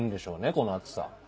この暑さ。